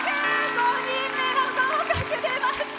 ５人目の合格出ました！